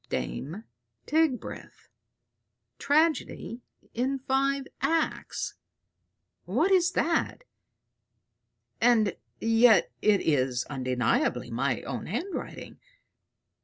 "DAME TIGBRITH, tragedy in five acts." "What is that? And yet it is undeniably my own handwriting.